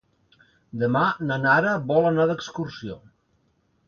Demà na Nara vol anar d'excursió.